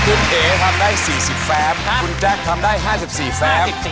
คุณเอ๋ทำได้๔๐แฟมคุณแจ๊คทำได้๕๔แฟม